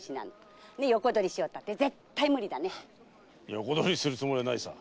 横取りするつもりはないさ。